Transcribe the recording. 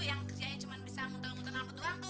yang kerjanya cuma bisa muntel muntel nambut doang tuh